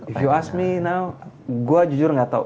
if you ask me now gue jujur gak tau